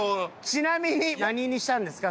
ちなみに何にしたんですか？